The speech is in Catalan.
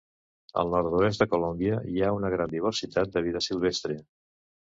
Al nord-oest de Colòmbia hi ha gran diversitat de vida silvestre.